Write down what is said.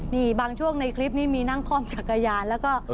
นี่บางช่วงในคลิปนี้มีนั่งคล่อมจักรยานแล้วก็